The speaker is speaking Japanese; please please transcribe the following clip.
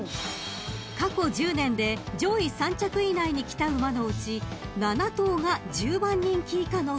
［過去１０年で上位３着以内にきた馬のうち７頭が１０番人気以下の馬だったんです］